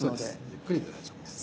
ゆっくりで大丈夫です。